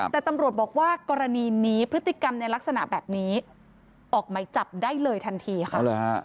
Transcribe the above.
แต่ตำรวจบอกว่ากรณีนี้พฤติกรรมในลักษณะแบบนี้ออกไหมจับได้เลยทันทีค่ะ